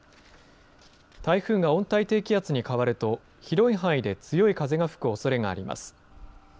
台風が温帯低気圧に変わると、広い範囲で強い風が吹くおそれがあります。